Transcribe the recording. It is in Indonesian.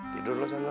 tidur lu sana